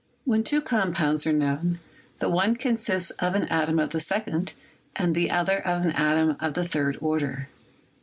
When two compounds are known, the one consists of an atom of the second and the other of an atom of the third order.